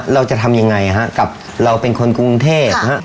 เราจะทำอย่างไรครับกับเราเป็นคนกรุงเทศครับ